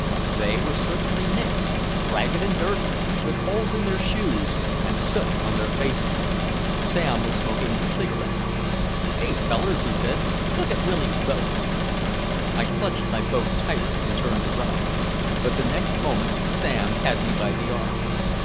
They were certainly "Micks" ragged and dirty, with holes in their shoes and soot on their faces. Sam was smoking a cigarette. "Heigh, fellers," he said, "look at Willy's boat." I clutched my boat tighter and turned to run. But the next moment Sam had me by the arm.